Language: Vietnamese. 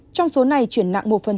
trong số này chuyển nặng một